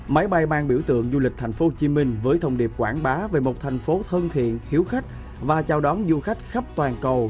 máy bay mang biểu tượng du lịch tp hcm với thông điệp quảng bá về một thành phố thân thiện hiếu khách và chào đón du khách khắp toàn cầu